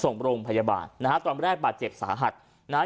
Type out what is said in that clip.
ส่งโรงพยาบาลนะฮะตอนแรกบาดเจ็บสาหัสนะฮะ